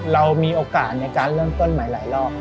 เรามีโอกาสในการเริ่มต้นใหม่หลายรอบ